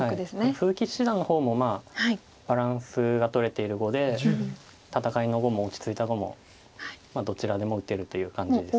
鈴木七段の方もバランスがとれている碁で戦いの碁も落ち着いた碁もどちらでも打てるという感じです。